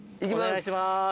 お願いします。